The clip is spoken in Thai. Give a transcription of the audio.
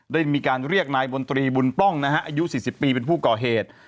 ได้มีการเรียกนายบนตรีบุญปล้องนะฮะอายุ๔๐ปีเป็นผู้ก่อเหตุ